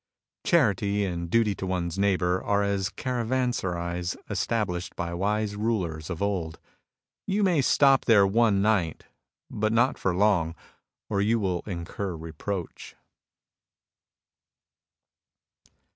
Charity and duty to one's neighbour are as caravanserais established by wise rulers of old ; you may stop there one night, but not for long, or you will incur reproach.